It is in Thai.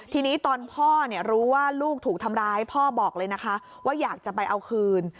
ทีนี้ตอนพ่อรู้ว่าลูกถูกทำร้ายพ่อบอกเลยนะคะว่าอยากจะไปเอาคืน